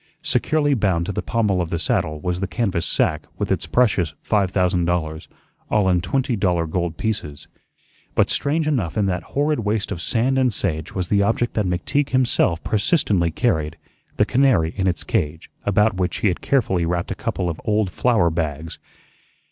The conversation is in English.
Securely bound to the pommel of the saddle was the canvas sack with its precious five thousand dollars, all in twenty dollar gold pieces. But strange enough in that horrid waste of sand and sage was the object that McTeague himself persistently carried the canary in its cage, about which he had carefully wrapped a couple of old flour bags.